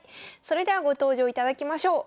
それではご登場いただきましょう。